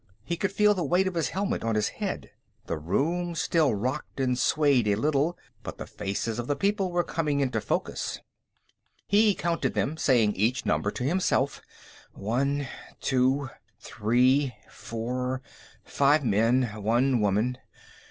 He could feel the weight of his helmet on his head. The room still rocked and swayed a little, but the faces of the people were coming into focus. He counted them, saying each number to himself: one, two, three, four, five men; one woman.